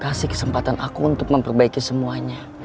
kasih kesempatan aku untuk memperbaiki semuanya